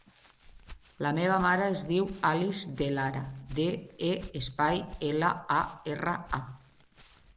La meva mare es diu Alice De Lara: de, e, espai, ela, a, erra, a.